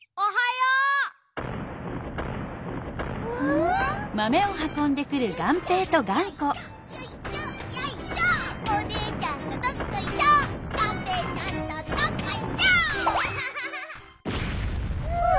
うわ！